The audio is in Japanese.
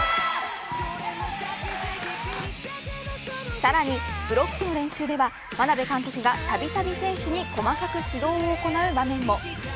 さらに、ブロックの練習では眞鍋監督がたびたび選手に細かく指導を行う場面も。